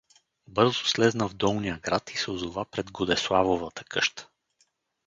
Бързо слезна в долния град и се озова пред Годеславовата къща.